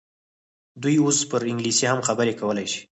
دوی اوس پر انګلیسي هم خبرې کولای شي.